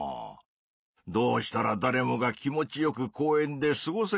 どうしたらだれもが気持ちよく公園で過ごせるんじゃろうか。